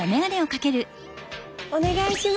お願いします。